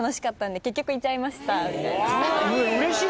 うれしい！